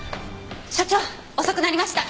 所長遅くなりました。